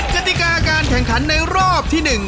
กติกาการแข่งขันในรอบที่๑